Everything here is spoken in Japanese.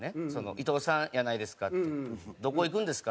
「伊藤さんやないですか」って「どこ行くんですか？」